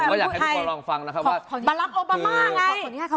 พระคุณบอกมาให้ลองฟังล่ะครับว่า